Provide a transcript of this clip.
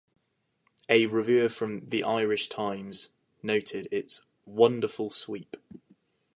A reviewer from "The Irish Times" noted its "wonderful sweep".